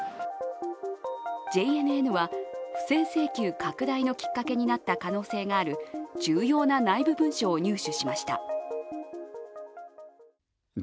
ＪＮＮは、不正請求拡大のきっかけになった可能性がある重要な内部文書を入手しました。